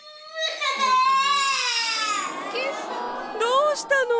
どうしたの？